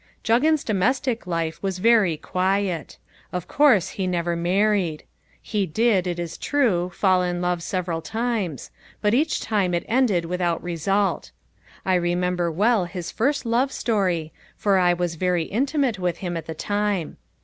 Juggins' domestic life was very quiet. Of course he never married. He did, it is true, fall in love several times; but each time it ended without result. I remember well his first love story for I was very intimate with him at the time.